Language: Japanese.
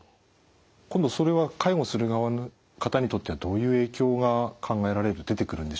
今度それは介護する側の方にとってはどういう影響が考えられる出てくるんでしょうか？